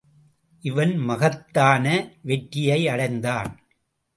இவன் மகத்தான வெற்றியை அடைந்தான்.